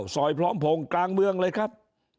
พร้อมพงศ์กลางเมืองเลยครับ